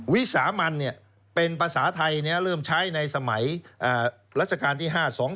วิสามันเป็นภาษาไทยเริ่มใช้ในสมัยรัชกาลที่๕๒